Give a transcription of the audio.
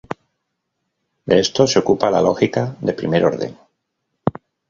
De esto se ocupa la lógica de primer orden.